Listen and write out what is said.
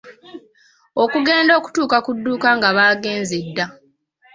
Okugenda okutuuka ku dduuka nga baagenze dda.